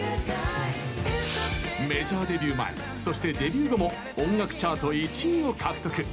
メジャーデビュー前そして、デビュー後も音楽チャート１位を獲得。